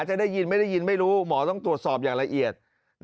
จะได้ยินไม่ได้ยินไม่รู้หมอต้องตรวจสอบอย่างละเอียด